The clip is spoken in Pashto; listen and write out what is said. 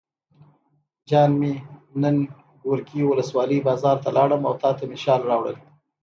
جان مې نن ګورکي ولسوالۍ بازار ته لاړم او تاته مې شال راوړل.